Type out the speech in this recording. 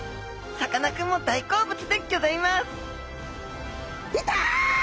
さかなクンも大好物でギョざいます！